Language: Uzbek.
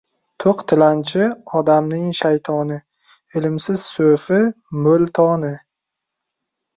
To‘q tilanchi – odamning shaytoni, Ilmsiz so‘fi – mo‘ltoni.